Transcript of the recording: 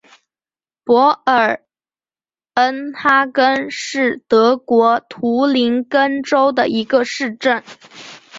博尔恩哈根是德国图林根州的一个市镇。